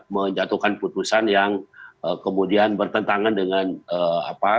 menjatuhkan putusan yang kemudian bertentangan dengan apa